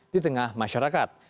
di tengah masyarakat